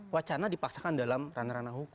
wacana dipaksakan dalam ranah ranah hukum